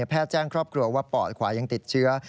แจ้งครอบครัวว่าปอดขวายังติดเชื้อ